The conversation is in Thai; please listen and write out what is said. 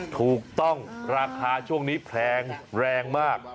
ถูกต้องราคาช่วงนี้แพงแรงมาก